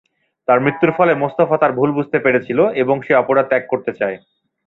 তার মৃত্যুর ফলে মোস্তফা তার ভুল বুঝতে পেরেছিল এবং সে অপরাধ ত্যাগ করতে চায়।